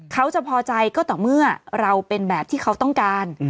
เขาจะพอใจก็ต่อเมื่อเราเป็นแบบที่เขาต้องการ